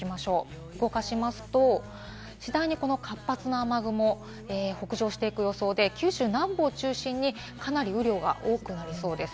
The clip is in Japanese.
動かしますと、次第にこの活発な雨雲、北上していく予想で、九州南部を中心にかなり雨量が多くなりそうです。